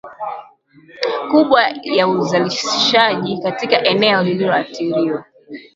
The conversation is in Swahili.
kubwa ya uzalishaji katika eneo lililoathiriwa